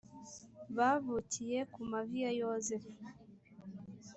bavukiye ku mavi ya yozefu